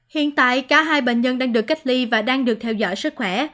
hiện tại cả hai bệnh nhân đang được cách ly và đang được theo dõi sức khỏe